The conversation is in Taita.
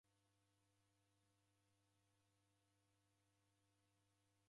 Obagulwa kwa w'undu ghwa w'ukelemeri.